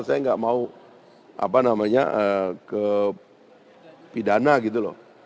saya gak mau ke pidana gitu loh